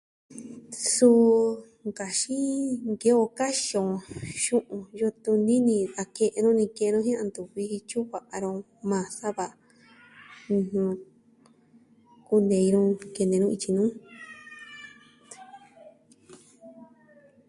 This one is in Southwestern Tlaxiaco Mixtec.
Suu nkaxin, a nke'en on kaxin on xu'un on iyo tuni ni a ke'en nu ni, ke'en nu jin a ntu viji tyu'un va'a nu majan sava, ɨjɨn, kunei nu kene nu ityi nu.